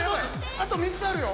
◆あと３つあるよ。